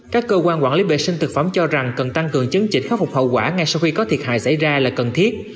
các cơ quan quản lý vệ sinh thực phẩm cho rằng cần tăng cường chấn chỉnh khắc phục hậu quả ngay sau khi có thiệt hại xảy ra là cần thiết